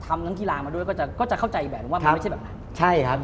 ทำทางทีรามาด้วยก็จะเข้าใจแบบว่ามันไม่ใช่แบบนั้น